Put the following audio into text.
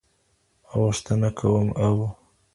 غوښتنه کوم او